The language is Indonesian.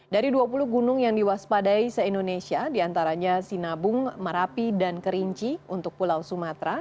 dari dua puluh gunung yang diwaspadai se indonesia diantaranya sinabung marapi dan kerinci untuk pulau sumatera